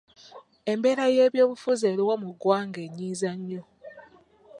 Embeera y'ebyobufuzi eriwo mu ggwanga enyiiza nnyo.